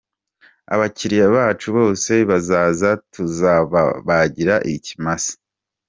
Abakiriya bacu bose bazaza tuzababagira ikimasa.